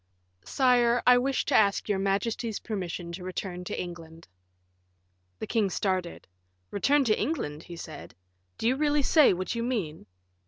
"Sire, I wish to ask your majesty's permission to return to England." The king started. "Return to England," he said; "do you really say what you mean?"